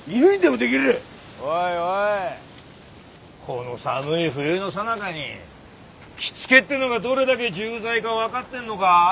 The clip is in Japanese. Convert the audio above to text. ・おいおいこの寒い冬のさなかに火付けってのがどれだけ重罪か分かってんのか？